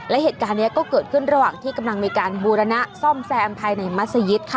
และเหตุการณ์นี้ก็เกิดขึ้นระหว่างที่กำลังมีการบูรณะซ่อมแซมภายในมัศยิตค่ะ